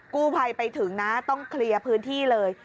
กู้ภัยไปถึงนะต้องเคลียร์พื้นที่เลย